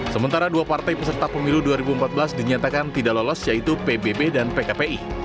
sementara dua partai peserta pemilu dua ribu empat belas dinyatakan tidak lolos yaitu pbb dan pkpi